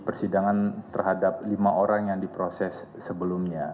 di persidangan terhadap lima orang yang di proses sebelumnya